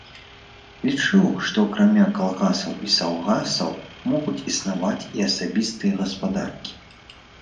Лічыў, што акрамя калгасаў і саўгасаў могуць існаваць і асабістыя гаспадаркі.